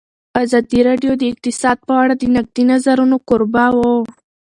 ازادي راډیو د اقتصاد په اړه د نقدي نظرونو کوربه وه.